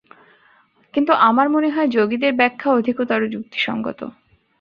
কিন্তু আমার মনে হয়, যোগীদের ব্যাখ্যা অধিকতর যুক্তিসঙ্গত।